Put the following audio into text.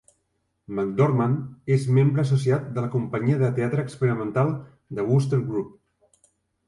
McDormand és membre associat de la companyia de teatre experimental The Wooster Group.